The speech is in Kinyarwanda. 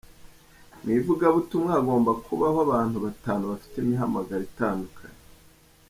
Mu ivugabutumwa hagomba kubaho abantu batanu bafite imihamagaro itandukanye